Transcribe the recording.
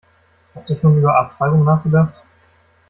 Hast du schon über Abtreibung nachgedacht?